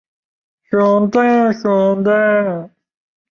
宽苞黄芩为唇形科黄芩属下的一个种。